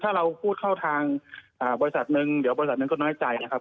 ถ้าเราพูดเข้าทางบริษัทหนึ่งเดี๋ยวบริษัทหนึ่งก็น้อยใจนะครับ